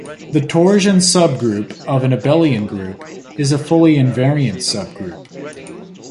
The torsion subgroup of an abelian group is a fully invariant subgroup.